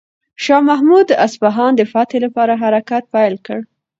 شاه محمود د اصفهان د فتح لپاره حرکت پیل کړ.